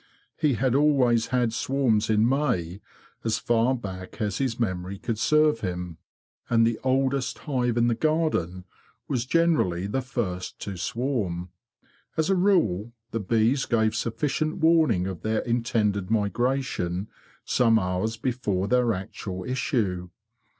He had A BEE MAN OF THE 'FORTIES — 49 always had swarms in May as far back as his memory could serve him; and the oldest hive in the garden was generally the first to swarm. As a rule the bees gave sufficient warning of their intended migration some hours before their actual issue.